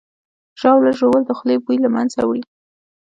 ژاوله ژوول د خولې بوی له منځه وړي.